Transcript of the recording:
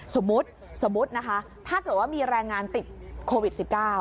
สมมุติถ้าเกิดว่ามีแรงงานติดโควิด๑๙